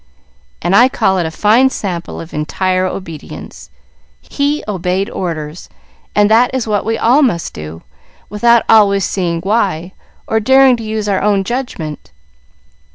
"And I call it a fine sample of entire obedience. He obeyed orders, and that is what we all must do, without always seeing why, or daring to use our own judgment.